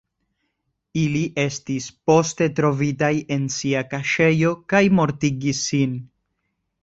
Ili estis poste trovitaj en sia kaŝejo kaj mortigis sin.